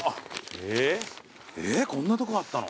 えっこんなとこがあったの。